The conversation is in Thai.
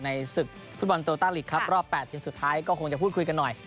ในศึกฝุ่นบอลโตตัทรอบ๘วันสุดท้ายคงจะพูดคุยกันหน่อย